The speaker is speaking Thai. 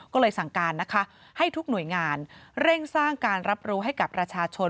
ก็เลยสั่งการนะคะให้ทุกหน่วยงานเร่งสร้างการรับรู้ให้กับประชาชน